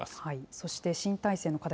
そして新体制の課題